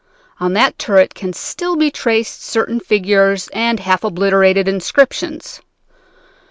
On that turret can still be traced certain figures and half obliterated inscriptions.